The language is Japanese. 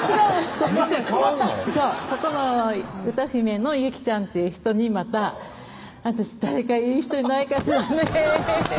そうそこの歌姫のユキちゃんっていう人にまた「誰かいい人いないかしらね」